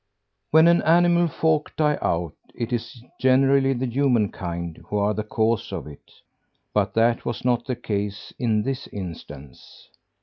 When an animal folk die out, it is generally the human kind who are the cause of it; but that was not the case in this instance.